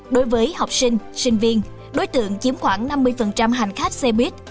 đối với học sinh sinh viên đối tượng chiếm khoảng năm mươi hành khách xe buýt